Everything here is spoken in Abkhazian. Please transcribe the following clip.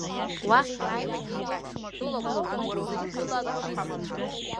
Уахь иаауеит еиуеиԥшым атәылақәа рҟынтә зықьҩыла атуристцәа.